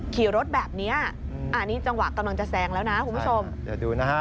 ขี่รถแบบเนี้ยอ่านี่จังหวะกำลังจะแซงแล้วนะคุณผู้ชมเดี๋ยวดูนะฮะ